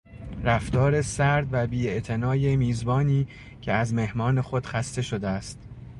رفتار سرد و بی اعتنای میزبانی که از مهمان خود خسته شده است